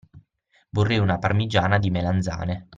Vorrei una parmigiana di melanzane.